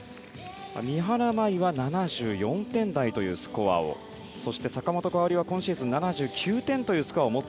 三原舞依は７４点台というスコアをそして坂本花織は今シーズン７９点というスコア。